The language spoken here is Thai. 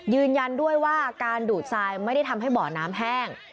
ยืนยันด้วยว่าการดูดทรายไม่ได้ทำให้บ่อน้ำแห้ง